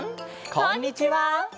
こんにちは！